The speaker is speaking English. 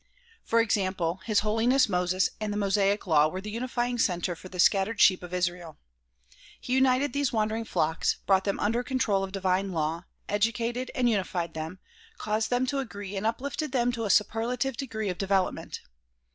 For example, His Holiness Moses and the Mosaic law were the unifying center for the scattered sheep of Israel. He united these wandering flocks, brought them under control of divine law, educated and uni fied them, caused them to agree and uplifted them to a superlative degree of development.